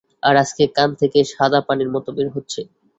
আর আজকে কান থেকে সাদা পানির মত বের হচ্ছে।